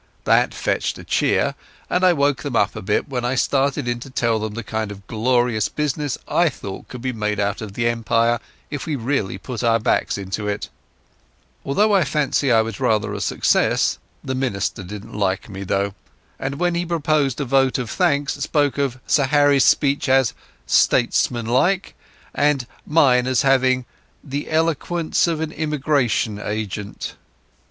That fetched a cheer, and I woke them up a bit when I started in to tell them the kind of glorious business I thought could be made out of the Empire if we really put our backs into it. Altogether I fancy I was rather a success. The minister didn't like me, though, and when he proposed a vote of thanks, spoke of Sir Harry's speech as "statesmanlike" and mine as having "the eloquence of an emigration agent."